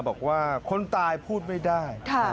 บอกว่าคนตายพูดไม่ได้